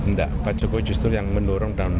nggak pak jokowi justru yang mendorong dan mengingatkan